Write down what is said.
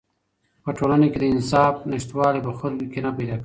په ټولنه کې د انصاف نشتوالی په خلکو کې کینه پیدا کوي.